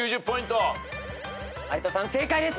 有田さん正解です。